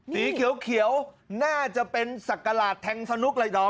สีเขียวน่าจะเป็นสักกระหลาดแทงสนุกเลยดอม